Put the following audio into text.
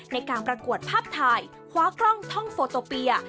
ในการประกวดภาพถ่ายคว้ากล้องท่องโฟโตเปีย